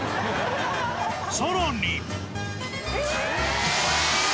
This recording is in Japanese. さらに。